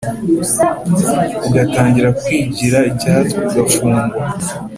Ugatangira kwigiraIcyatwa ugafunga;